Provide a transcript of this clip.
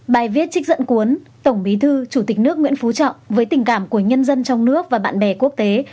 bài viết trích dẫn cuốn tổng bí thư chủ tịch nước nguyễn phú trọng với tình cảm của nhân dân trong nước và bạn bè quốc tế